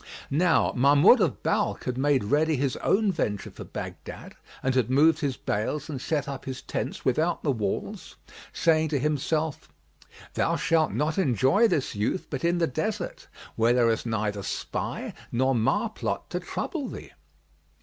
Now Mahmud of Balkh had made ready his own venture for Baghdad and had moved his bales and set up his tents without the walls, saying to himself, "Thou shalt not enjoy this youth but in the desert, where there is neither spy nor marplot to trouble thee."